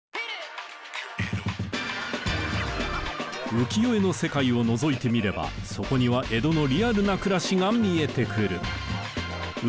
浮世絵の世界をのぞいてみればそこには江戸のリアルな暮らしが見えてくる。